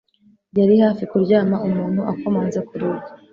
Yari hafi kuryama umuntu akomanze ku rugi